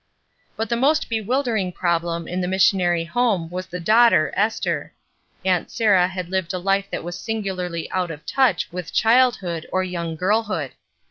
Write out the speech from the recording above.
But the most bewildering problem in the missionary home was the daughter, Esther. Aunt Sarah had lived a life that was singularly 38 ESTER RIED'S NAMESAKE out of touch with childhood or young girlhood.